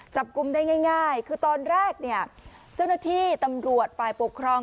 จับกลุ่มได้ง่ายคือตอนแรกเนี่ยเจ้าหน้าที่ตำรวจฝ่ายปกครอง